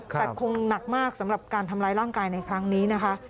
แต่คงหนักมากสำหรับการทำร้ายร่างกายในครั้งนี้นะคะ